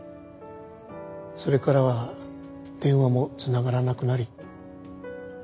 それからは電話も繋がらなくなり